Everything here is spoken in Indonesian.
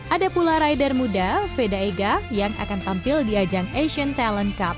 ada pula rider muda veda ega yang akan tampil di ajang asian talent cup